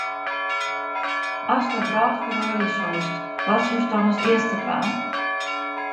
Ast de wrâld feroarje soest, wat soest dan as earste dwaan?